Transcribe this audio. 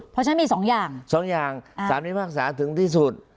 เพราะฉะนั้นมีสองอย่างสองอย่างสารพิพากษาถึงที่สุด